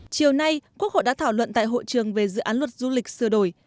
chiều nay quốc hội đã thảo luận tại hội trường về dự án luật du lịch sửa đổi